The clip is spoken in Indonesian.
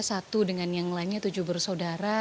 satu dengan yang lainnya tujuh bersaudara